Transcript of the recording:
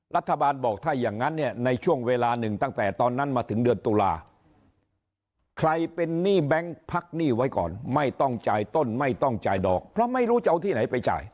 รัฐบาลบอกถ้าอย่างนั้นเนี่ยในช่วงเวลาหนึ่งตั้งแต่ตอนนั้นมาถึงเดือนตุลาใครเป็นหนี้แบงค์พักหนี้ไว้ก่อนไม่ต้องจ่ายต้นไม่ต้องจ่ายดอกเพราะไม่รู้จะเอาที่ไหนไปจ่าย